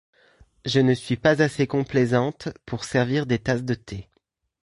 Je ne suis pas assez complaisante pour servir des tasses de thé.